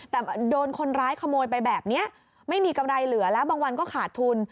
แต่โดนคนร้ายขโมยไปแบบนี้ไม่มีกำไรเหลือแล้วบางวันก็ขาดทุน